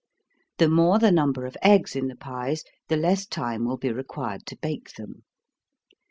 The more the number of eggs in the pies, the less time will be required to bake them.